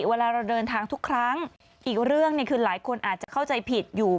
เวลาเราเดินทางทุกครั้งอีกเรื่องหนึ่งคือหลายคนอาจจะเข้าใจผิดอยู่